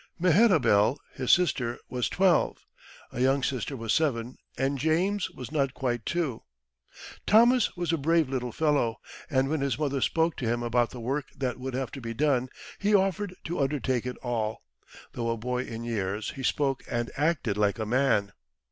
Mehetabel, his sister, was twelve, a younger sister was seven, and James was not quite two. Thomas was a brave little fellow, and when his mother spoke to him about the work that would have to be done, he offered to undertake it all. Though a boy in years, he spoke and acted like a man.